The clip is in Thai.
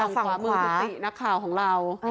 ฝั่งขวามือพี่ตี้หน้าข่าวเรา